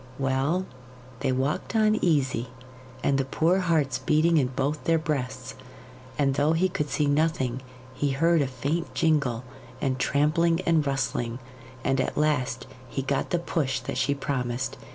Well, they walked on easy, and the poor hearts beating in both their breasts; and though he could see nothing, he heard a faint jingle and trampling and rustling, and at last he got the push that she promised.